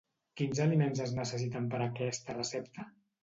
Quins aliments es necessiten per a aquesta recepta?